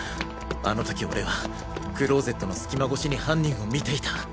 あの時俺はクローゼットの隙間越しに犯人を見ていた。